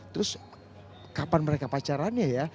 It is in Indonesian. terus kapan mereka pacarannya ya